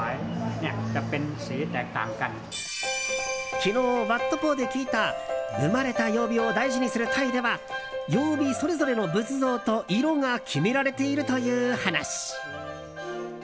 昨日、ワット・ポーで聞いた生まれた曜日を大事にするタイでは曜日それぞれの仏像と色が決められているという話。